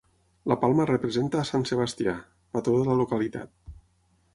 La palma representa a Sant Sebastià, patró de la localitat.